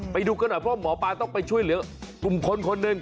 ไปดูกันหน่อยเพราะหมอปลาต้องไปช่วยเหลือกลุ่มคนคนหนึ่ง